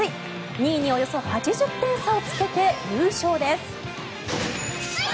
２位におよそ８０点差をつけて優勝です。